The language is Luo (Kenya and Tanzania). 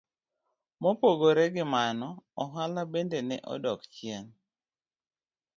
Mopogore gi mano, ohala bende ne odok chien.